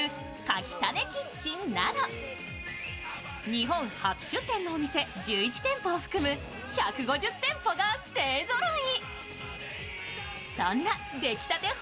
日本初出店のお店１１店舗を含む１５０店舗が勢ぞろい。